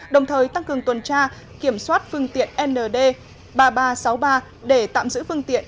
đồng thời tăng cường tuần tra kiểm soát phương tiện nd ba nghìn ba trăm sáu mươi ba để tạm giữ phương tiện